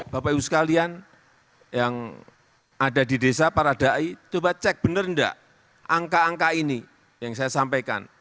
bapak ibu sekalian yang ada di desa para dai coba cek benar enggak angka angka ini yang saya sampaikan